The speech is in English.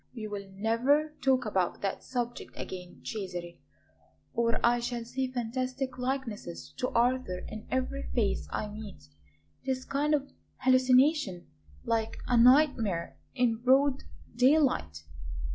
We will NEVER talk about that subject again, Cesare, or I shall see fantastic likenesses to Arthur in every face I meet. It is a kind of hallucination, like a nightmare in broad daylight.